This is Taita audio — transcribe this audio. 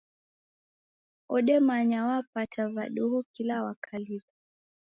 Odemanya wapata va duhu, kila wakalilwa